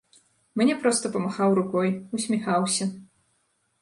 Мне проста памахаў рукой, усміхаўся.